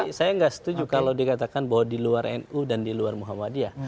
tapi saya nggak setuju kalau dikatakan bahwa di luar nu dan di luar muhammadiyah